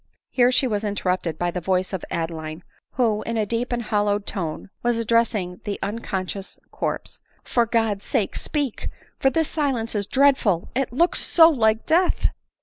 Here she was interrupted by the voice of Adeline; who, in a deep and hollow tone, was addressing the un conscious corpse. " For God's sake, speak ! for this silence is dreadful — it looks so like death.